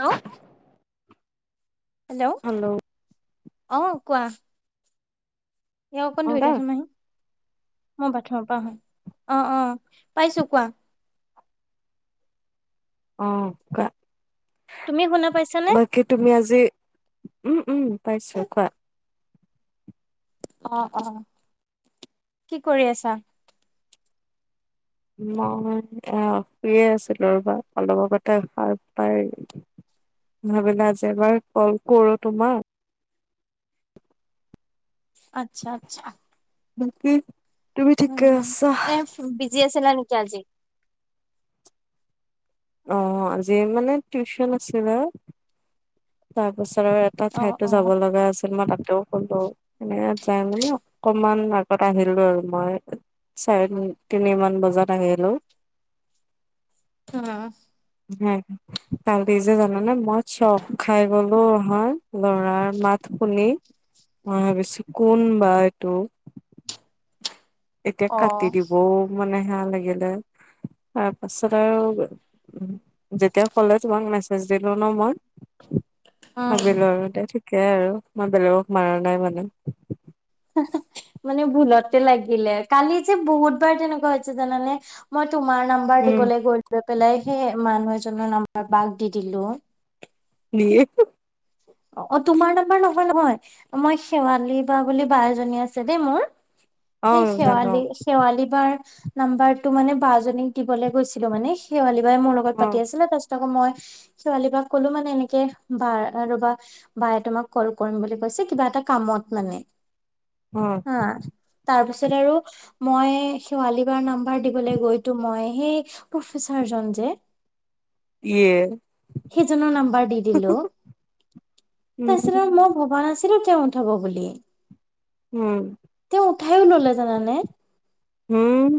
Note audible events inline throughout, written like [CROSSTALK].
Hello hello. অ, কোৱা? এয়া অকণ ধৰি কোৱা দিছো মাহি মই বাথমৰ পৰা আহ -আহ অ, পাইছো। কোৱা? অ', কোৱা তুমি শুনা পাইছানে বাকী তুমি আজি উম- উম পাইছো কোৱা? অ' অ' কি কৰি আছা? মই, এ শুই আছিলো। ৰব অলপ আগতে তে সাৰ পায়। ভাবিলে আজি এবাৰ কল কৰো তোমাক। আচ্ছা আচ্ছা। কি? [UNINTELLIGIBLE] উ, এ বিজি আছিলা নেকি আজি? অ, আজি মানে টিউচন আছিল আৰু। তাৰপাছত এটা অ ঠাইতো অ যাব লগা আছিল। মই তাত টো শুলো এনে যাই মানে অকমান আগত আহিলো আৰু মই। চাৰে তিনি মান বজাত আহিলো। হা। কালি যে জান নে মই চখ খাই গলোঁ। অহা লৰাৰ মাত শুনি মই বেছি কোন বা এইটো। এতিয়া অ কাটি দিবও মানে হেয়া লাগিলে। তাৰ পাছত আৰু। উ যেতিয়া কলে তোমাক মেছেজ দিলো ন মই। উম ভবিলো আৰু। তাকে আৰু। মই বেলেগক মাৰা নাই মানে। মানে ভুলতে লাগিলে কালি যে বহুত বাৰ তেনেকুৱা হৈছে জানানে? মই তোমাৰ নাম্বাৰ উম দিবলৈ গৈ পেলাই সেই মানুহ এজনৰ নাম্বাৰ বাক দি দিলো। [UNINTELLIGIBLE] অ' অ' তোমাৰ নাম্বাৰ নহয়- নহয় মই শেৱালী বা বুলি বা এজনী আছে দেই মোৰ। অ সেই জানো শেৱালি- শেৱালি বাৰ নাম্বাৰ টো মানে বা জনীক দিবলৈ গৈছিলো মানে। সেইবুলি বাই মোৰ লগত অ পাতি আছিলে তাৰপিছত আকৌ মই। শেৱালি বাক ক'লো মানে। এনেকে বাৰ ৰবা বায়ে তোমাক কল কৰিম বুলি কৈছে কিবা এটা কামত মানে। অ হাঁ, তাৰপিছত? তাৰ পিছত আৰু মই শেৱালি বাৰ নাম্বাৰ দিবলৈ গৈছো মই সেই প্ৰফেচাৰ জন যে। ইয়ে সেইজনৰ নাম্বাৰ দি দিলো। উম তাৰপিছত মই ভবা নাছিলো। তেওঁ উঠিব বুলি উম। তেওঁ উঠাইও ললে জানানে। উম।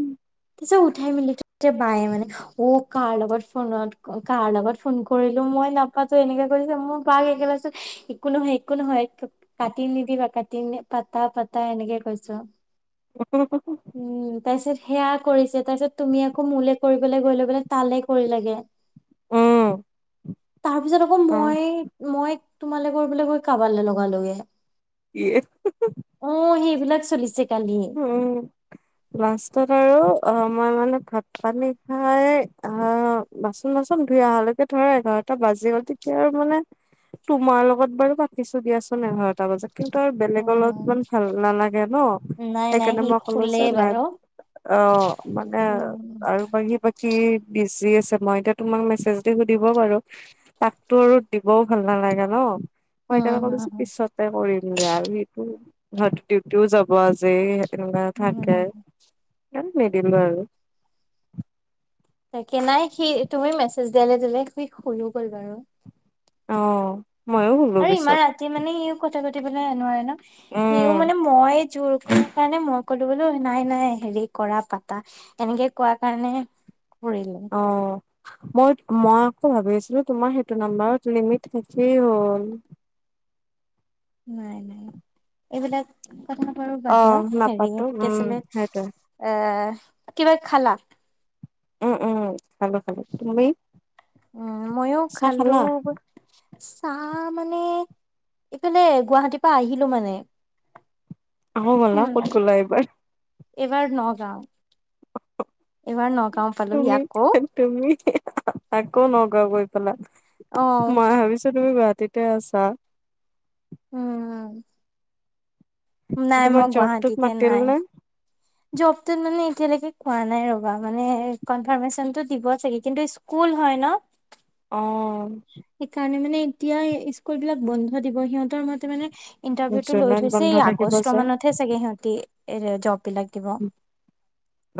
চব উঠাই মেলিত বায়ে মানে। অ, কাৰ লগত ফোনত- কাৰ লগত ফোন কৰিলো মানে। মই নাপাতো। এনেকে কৈছো মই। পাত। [UNINTELLIGIBLE] একো নহয়। একো নহয়। একো নহয়। কাটি নিদিবা। কাটি- পাতা পাতা এনেকে কৈছো উম তাৰপিছত সেয়া কৰিছে তাৰপিছত তুমি আকৌ মোলে কৰিবলৈ গৈ লৈ বোলে তালে কৰিলা গে উম তাৰ পিছত আকৌ অ মই মই তোমালোকৰ বোলে কৈ কাৰবাৰলে লগালোগে ইয়ে অ সেইবিলাক চলিছে কালি উম লাষ্টত আৰু অ মই মানে ভাত পানী খাই অ বাচন তাচন ধুই অহালৈকে ধৰা এঘাৰটা টা বাজি গ'ল তেতিয়া আৰু মানে তোমাৰ লগত বাৰু পাতিছো দিয়াচোন এঘাৰটা বজাত কিন্তু আৰু বেলেগৰ লগত উম ইমান ভাল নালাগে ন নাই নাই সেইকাৰণে সি মই কলো শুলেই যে নাই বাৰু অ মানে উম আৰু বাকী -বাকী বিজি আছে মই এতিয়া তোমাক মেছেজ দি সুধিব পাৰো তাকতো আৰু দিবও ভাল নালাগে ন। মই উম সেইকাৰণে হম কছো পিছতে কৰিমগে আৰু সেইটো ডিউটিও যাব আছেই কিবা হম হম থাকে সে নিদিলো আৰু তাকে নাই সি তুমি মেছেজ দিয়ালে দিলে সি শুই গ'ল বাৰু অ ময়ো শুলো আৰু ইমান পিছত ৰাতি মানে সিও কথা পাতিবলৈে নোৱাৰে ন সিও উম, মানে মই জোৰ সেইকাৰণে মই কলো বোলো নাই নাই হেৰি কৰা পাতা এনেকে কোৱা কাৰণেহে অ মই- মই মইটো ভাবি আছিলো তোমাৰ সেইটো নম্বাৰত লিমিট শেষে হ'ল নাই- নাই এইবিলাক কাৰ বাদ অ', দিয়া হেৰি নাপাতো কি উম, আছিলে সেইটোৱে এ কিবা খালা উম- উম খালো -খালো তুমি উম ময়ো চাহ খালো খালা? চাহ আহ মানে ইফালে গুৱাহাটীৰ পৰা আহিলো মানে আহো বলা উম ক'ত গলা এইবাৰ এইবাৰ নগাঁও এইবাৰ নগাঁও পালোহি তুমি আকৌ তুমি আকৌ ন গৈ পালা অ মই ভাবিছো তুমি গুৱাহাটীতে আছা উম- উম নাই তোমাৰ মই জবটোত গুৱাহাটীতে মাতিল নাই নে? জবটো মানে এতিয়ালৈকে কোৱা নাই ৰ'বা মানে কনফাৰ্মেশচনতটো দিব চাগে কিন্তু স্কুল হয় ন অ সেইকাৰণে মানে এতিয়া স্কুল বিলাক বন্ধ দিব সিহঁতৰ মতে মানে ইন্টাৰভিউটো লৈ জুনত বন্ধ থৈছে এই থাকিব আগষ্ট যে। মানতহে চাগে সিহঁতি এ জব বিলাক দিব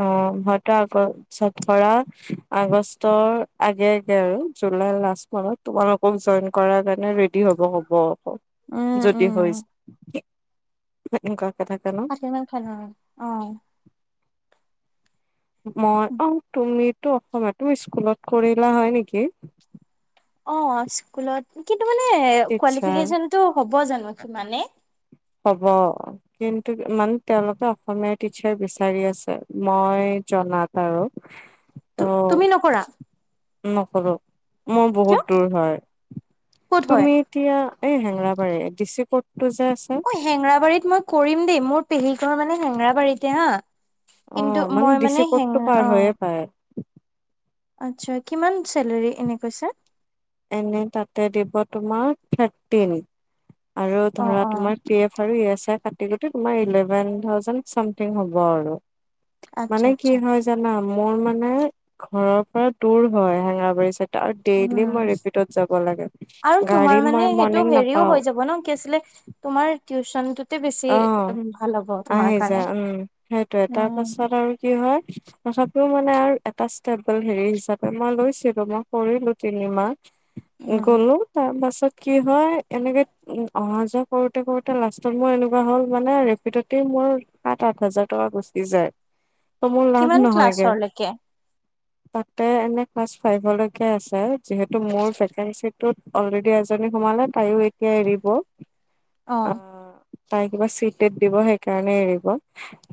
অ হয়টো আগৰ ধৰা আগষ্টৰ আগে আগে আৰু জুলাইৰ লাষ্ট মাহত তোমালোকক জ জইন কৰা কাৰণে ৰেডি হ'ব ক'ব উম যদি উম হৈছে সেনুকা আতি ম খাল অ মই অ তুমিতো অসমীয়া তুমি স্কুলত কৰিলা হয় নেকি অ স্কুলত কিন্তু মানে টিচাৰ কোৱালিফিকেচটো হ'ব জানো কি মানে হব কিন্তু মানে তেওঁলোকে অসমীয়াৰ টিচাৰ বিচাৰি আছে মই জনাত আৰু ত' তু তুমি নকৰা নকৰো মোৰ কিয় বহুত দূৰ হয় ক'ত হয় তুমি এতিয়া এ হেঙেৰাবাৰি ডিচি কৰ্ট অ হেঙেৰাবাৰীত মই কৰিম দেই মোৰ পেহী ঘৰ মানে হেঙেৰাবাৰীতে হা অ কিন্তু মই ডিচি মানে হেঙ কটটো পাৰ অ হৈয়ে পায় আচ্ছা কিমান চেলেৰী এনে কৈছে এনে তাতে দিব তোমাৰ থাৰ্টিন আৰু অ ধৰা অ তোমাৰ পি এফ আৰু ই এছ আই কাট [UNINTELLIGIBLE] তোমাৰ ইলেৱেন থাওচেণ্ড চামথিং হ'ব আৰু আচ্ছা মানে কি আচ্ছা হয় জানা মোৰ মানে ঘৰৰ পৰা দুৰ হয় হেঙৰাবাৰী চাইদে আৰু ডেইলি মই উম ৰে [UNINTELLIGIBLE] যাব লাগে আৰু গাড়ী তোমাৰ মানে মই সেইটো মৰ্নিং হেৰিও নাপাও। হৈ যাব ন কি আছিলে তোমাৰ টিউচনটোতে বেছি অ' উম, ভাল হ'ব তোমাৰ আহি কাৰণে যায় উম সেইটোয়ে তাৰ উম পাছত আৰু কি হয় তথাপিও মানে আৰু এটা ষ্টেবল হেৰি হিচাপে মই লৈছিলো মই কৰিলো তিনিমাহ। উম গ'লো তাৰ পাছত কি হয় এনেকে উম অহা যোৱা কৰোতে- কৰোতে লাষ্টত মই এনে [UNINTELLIGIBLE] হ'ল মানে ৰেপিডতে মোৰ সাত আঠ হাজাৰ টকা গুচি যায়। ত মোৰ লাভ কিমান নহয়গে। ক্লাছৰলৈকে [INAUDIBLE] তাতে এনে ক্লাছ ফাইভ লকে আছে যিহেতু মোৰ ভেকেনছিটোত অলৰেদি এজনী সোমা মানে তাইও এতিয়া এৰিব। অ'। আহ তাই কিবা চি টেত দিব সেইকাৰণে এৰিব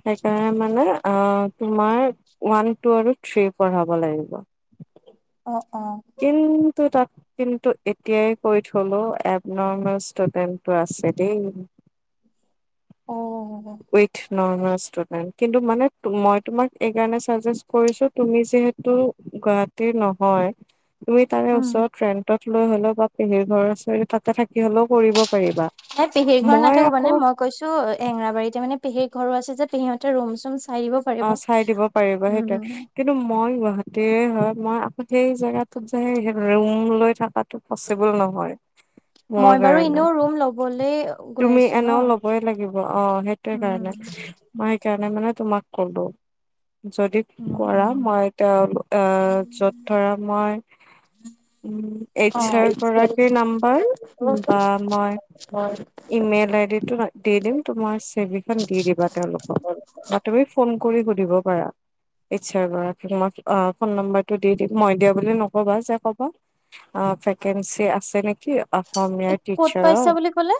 সেইকাৰণে মানে অ' তোমাৰ ওৱান টু আৰু থ্ৰী পঢ়াব লাগিব। অ অ কিন্তু তাক কিন্তু এতিয়াই কৈ থলো এব নৰ্মেল ষ্টুডেণ্টটো আছে দেই। অ উইথ নৰ্মেল। [UNINTELLIGIBLE] কিন্তু মানে মই তোমাক এইকাৰণে চাযেষ্ট কৰিছোঁ তুমি যিহেতু এ নহয় তুমি তাৰে উম ওচৰত ৰেন্টত লৈ হ'লেও বা পেহীৰ ঘৰৰ ওচৰত তাতে থাক কি হ'লেও কৰিব পাৰিবা। নাই পেহীৰ ঘৰত মই নাথাকো মানে আকৌ মই কৈছোঁ অ হেংৰাবাৰীতে মানে পেহীৰ ঘৰো আছে যে পেহিহঁতে ৰুম চুম চাই দিব পাৰিব অ' চাই দিব পাৰিবা সেইটোয়ে, উম কিন্তু মই গুৱাহা [UNINTELLIGIBLE] হয় মই আকৌ সেই জেগাটোত যে ৰুম লৈ থাকাত পচিবল নহয় মোৰ মই বাৰু কাৰণে। এনেও ৰুম লবলৈ গৈ তুমি আছো ন এনেও ল'বই লাগিব অ'সেইটোৱে কাৰণে উম মই সেই কাৰনে মানে তোমাক কলো। যদি উম কৰা উম মই তেওঁ এ যত ধৰা মই উম, অ এইচ আৰ গৰাকীৰ নাম্বাৰ বা মই ইমেইল আই দিটো দি দিম তুমি চি ভী খন দি দিবা তেওঁলোকক তুমি ফোন কৰি সুধিব পাৰা। এইচ আৰ গৰাকীক মই ফোন নম্বটো দি দিম মই দিয়া বুলি নকবা যে ক'বা আ ভেকেঞ্চি আছে নেকি অ'। এই ক'ত পাইছা বুলি কলে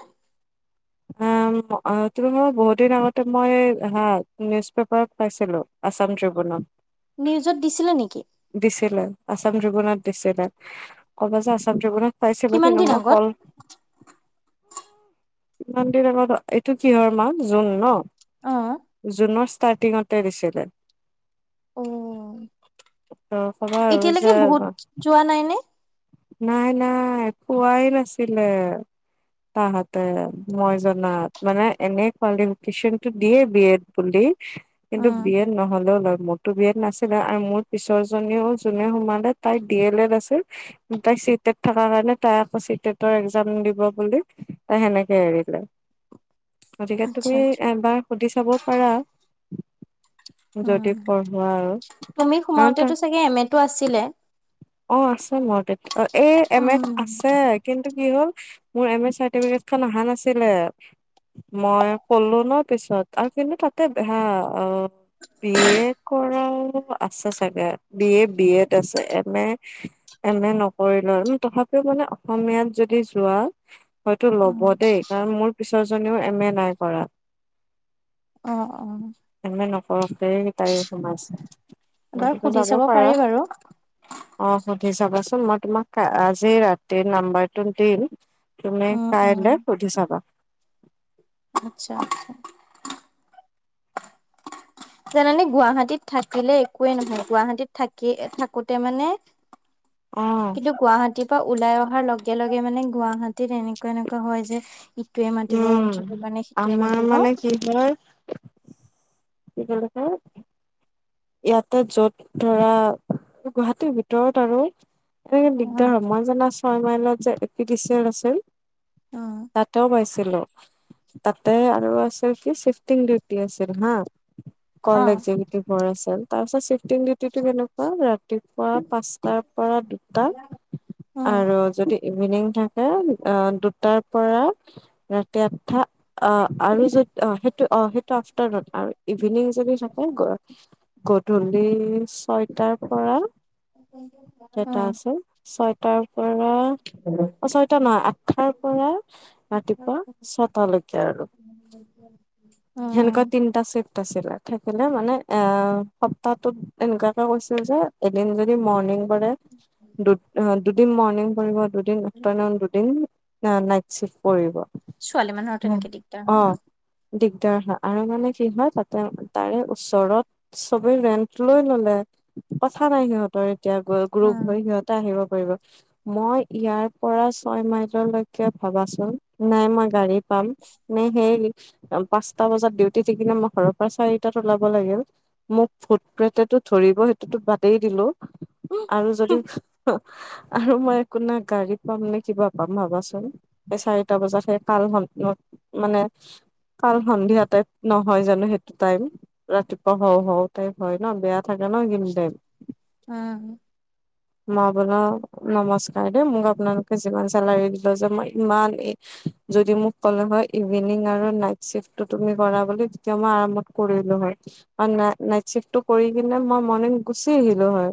আ ম তুমি বাৰু বহুত দিন আগতে মই হা নিউজ পেপাৰত পাইছিলো আচা [UNINTELLIGIBLE] নিউজত দিছিলে নেকি। আসাম ট্ৰিবুনত দিছিলে ক'বা যে আসাম ট্ৰিবুনত চাইছিলো কিমান কিনু দিন মই আগত কল ইমান দিন আঙত এইটো কিহৰ মাহ জুন ন। অ'। ষ্টাৰ্টিংতে দছিলে। অ এতিয়ালৈকে বহুত অ' [UNINTELLIGIBLE] যোৱা নাই নে নাই- নাই কোৱাই নাছিলে। তাহতে মই জনাত মানে এনে কোৱালিফিকেশচন টো দিয়ে বি এড বুলি। কিন্তু উম বি এড নহ'লেও ল মোৰতো বি এড নাছিলে আৰু মোৰ পিছৰ জনীও যোনে সোমালে তাইৰ ডি এল এড আছিল তাই চি টেট থকা কাৰণে তাই আকৌ চি টেটৰ এক্জাম দিব বুলি তাই সেনেকে এৰিলে। [INAUDIBLE] গতিকে আচ্ছা তুমি আচ্ছা এবাৰ সুধি চাব পাৰা। উম যদি বঢ়োৱা আৰু তুমি হ সোমাওতেতো তাই চাগে এম এ টো আছিলে অ আছে মোৰ তে অ এই এম এ উম আছে কিন্তু। কি হ'ল মোৰ এম এ চাৰ্টিফিকেটখন অহা নাছিলে মই কলো ন পিছত আৰু কিন্তু তাতে বেয়া অ' বি এ কৰাও আছে চাগে, বি এ বি এড আছে এ এম এ নকৰি লয়, তথাপিও মানে অসমীয়াত যদি যোৱা হয়তো উম ল'ব দেই কাৰণ মোৰ পিছৰ জনীও এম এ নাই কৰা। অ', -অ' পৰহকেইটাই সোমাইছে এবাৰ এতিয়া সুধি যাব চাব পাৰা। পাৰি বাৰু অ সুধি চাবাচোন মই তোমাক আজি ৰাতিৰ নাম্বাৰটো দিম। তুমি উম উম কাইলৈ সুধি চাবা। আচ্ছা আচ্ছা। জানানে গুৱাহাটীত থাকিলে একোৱে নহয়, গুৱাহাটীত থাকি থাকোতে মানে অ কিন্তু গুৱাহাটীত ওলাই অহাৰ লগে লগে মানে গুৱাহাটীত এনেকুৱা এনেকুৱা হয় যে ইটোৱে মাতিব উম, ইণ্টাৰভিউ কাৰণে সিটোৱে আমাৰ মাতিব মানে কি হয় কি ক'লে তই ইয়াতে যত ধৰা গুৱাহাটীৰ ভিতৰত আৰু। এনেকে দিগদাৰ উম হয়, মই জানা ছয় মাইলত যে এ পি চি এল আছিল তাতেও পাইছিল। তাতে আৰু আছিল কি চিফটিং ডিউটি আছিল হা কলে অহ য পঢ় আছিল, তাৰপিছত চিফটিং ডিউটিটো কেনেকুৱা ৰাতিপুৱা পাঁচটাৰ পৰা দুটা উম আৰু যদি ইভিনিং থাকে অ' দুটাৰ পৰা [INAUDIBLE] ৰাতি আঠটা অ' আৰু য সেই অ' সেইটো আফটাৰ নুন। ইভিনং যদি থাকো, গধূলি ছয়টাৰ পৰা এটা উম আছে ছয়টাৰ পৰা। অ' ছয়টা নহয় আঠটাৰ পৰা ৰাতিপুৱা ছয়টালৈকে আৰু সেনক উম তিনিটা চেপটা আছিলে থাকিলে মানে এ সপ্তাহটোত এনেকুৱাকে কৈছিল যে এদিন যদি মৰ্ণিং পৰে দু দুদিন মৰ্ণিং পৰিব, দুদিন আফটাৰনন দুদিন। ন নাইট চিফ্ট পৰিব। ছোৱালী মানুহ অটো উম। এনেকে দিগদাৰ অ হয় ন'। দিগদাৰ হয় আৰু মানে কি হয় তাতে, তাৰে ওচৰত চবে ৰেন্ট লৈ ললে। কথা নাই সিহঁতৰ এতিয়া গ্ৰুপ উম হৈ সিহঁতে আহিব। মই ইয়াৰ পৰা ছয়মাইল লৈকে ভাবাচোন নাই মই গাড়ীত পাম ন সেই পাঁচ সাতটা বজাত ডিউটি থাকিলেন মই ঘৰৰ পৰা চাৰিটাত ওলাব লাগিল। মোক ভুত-প্ৰেটো ধৰিব সেইটো বাদেই দিলো আৰু যদি আৰু মই একোনা গাড়ী পাম নে কিবা পাম ভাবাচোন, এই চাৰিটা বজাত সেই কাল হ মানে কাল সন্ধিয়া টাইপ নহয় জানো সেইটো টাইম, ৰাতিপুৱা হও হ টাইপ হয় ন বেয়া। থাকে ন এইখিনি টাইম। উম। মই বোলো নমস্কাৰ দেই মোক আপোনালোকে যিমান চেলাৰী দিলো যে মই ইমান যদি মোক ক'লে হয় ইভিনিং আৰু নাইট চিফ্ট। [UNINTELLIGIBLE] গুচি আহিলো হয়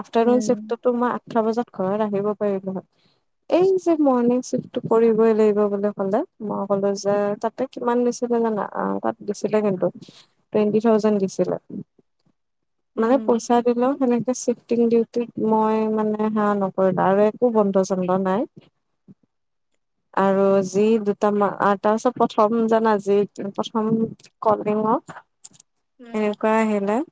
আফটাৰনুন উম চিফ্টট মই। আঠটা বজাত ঘৰত আহিব পাৰিলো হয়। এই যে মৰ্ণিং চিফটটো কৰিবই লাগিব বুলি ক'লে মই ক'লো যে তাতে কিমান বেছি শুনা আ তাত গৈছিলে কিন্তু টুৱেন্টি থাউজেন দিচিলে। মানে উম পইচা দিলও সেনেক। চিফ্টিং ডিউটিত মই মানে হে নকৰিলো আৰু একো বন্ধ চন্দ নাই। [INAUDIBLE] আৰু যি দুটা মা তাৰ পিছত প্ৰথম জানা। যি প্ৰথম কলিঙ উম এনেকুৱা আহিলে।